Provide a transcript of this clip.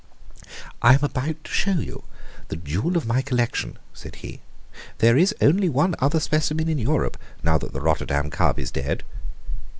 "I am about to show you the jewel of my collection," said he. "There is only one other specimen in Europe, now that the Rotterdam cub is dead.